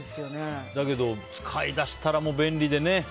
だけど、使い出したら便利でね。